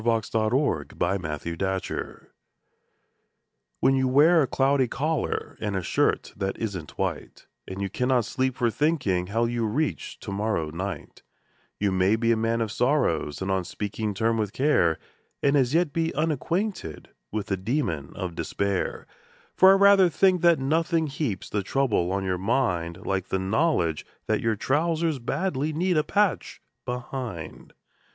1905 When Your Pants Begin To Go HEN you wear a cloudy collar and a shirt that isn't white, And you cannot sleep for thinking how you'll reach to morrow night, You may be a man of sorrow, and on speaking terms with Care, But as yet you're unacquainted with the Demon of Despair ; For I rather think that nothing heaps the trouble on your mind Like the knowledge that your trousers badly need a patch behind.